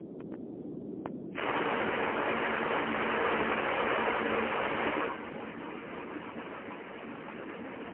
Perkins knew Powell, but did not know the two others.